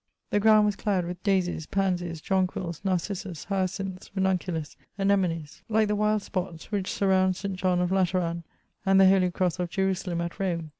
The ground was clad with daisies, pansies, jonquils, narcissus', hyacinths, ranunculus', anemonies, like the wild spots which surround St. John of Lateran, and the Holy Cross of Jerusalem at Rome.